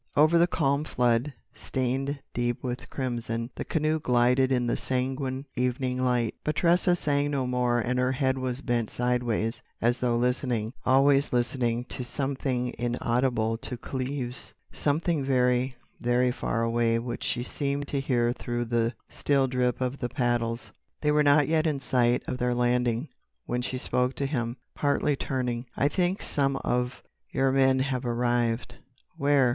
Over the calm flood, stained deep with crimson, the canoe glided in the sanguine evening light. But Tressa sang no more and her head was bent sideways as though listening—always listening—to something inaudible to Cleves—something very, very far away which she seemed to hear through the still drip of the paddles. They were not yet in sight of their landing when she spoke to him, partly turning: "I think some of your men have arrived." "Where?"